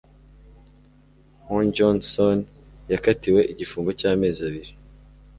Ho jeong Son yakatiwe igifungo cy amezi abiri